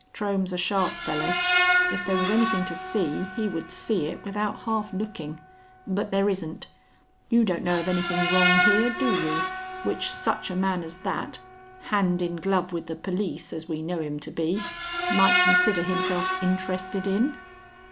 "Trohm's a sharp fellow. If there was anything to see, he would see it without half looking. But there isn't. You don't know of anything wrong here, do you, which such a man as that, hand in glove with the police as we know him to be, might consider himself interested in?"